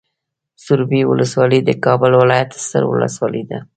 سروبي ولسوالۍ د کابل ولايت ستر ولسوالي ده.